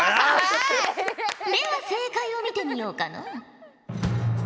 では正解を見てみようかのう。